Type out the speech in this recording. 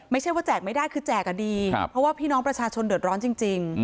ไม่ใช่ว่าแจกไม่ได้คือแจกอ่ะดีเพราะว่าพี่น้องประชาชนเดือดร้อนจริง